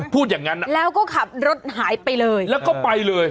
พูดอย่างนั้นแล้วก็ขับรถหายไปเลยแล้วก็ไปเลย